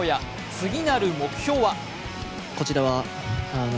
次なる目標は？